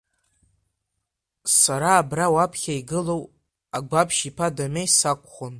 Сара абра, уаԥхьа игылоу Агәаԥшь-иԥа Дамеи сакәхон.